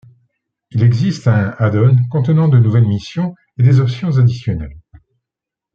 Il existe un add-on contenant de nouvelles missions et des options additionnelles.